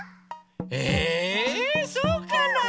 えそうかなあ？